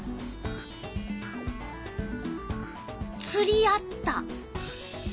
つりあった！